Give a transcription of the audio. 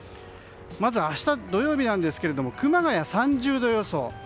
まず明日土曜日なんですけれども熊谷３０度予想。